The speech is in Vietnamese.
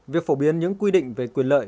việc phổ biến những quy định về quyền lợi